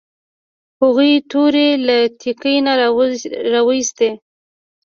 هغوی تورې له تیکي نه راویوستې.